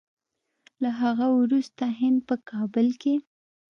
له هغه وروسته هند په کابل کې